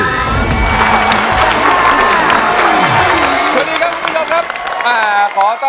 สวัสดีครับคุณผู้ชมครับ